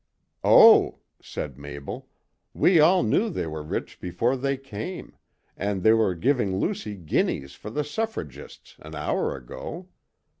"Oh!" said Mabel, "we all knew they were rich before they came, and they were giving Lucy guineas for the suffragists an hour ago.